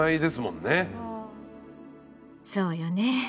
そうよね。